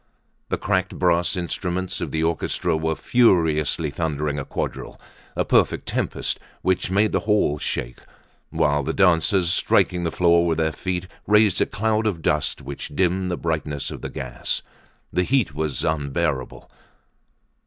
The cracked brass instruments of the orchestra were furiously thundering a quadrille, a perfect tempest which made the hall shake; while the dancers, striking the floor with their feet, raised a cloud of dust which dimmed the brightness of the gas. The heat was unbearable.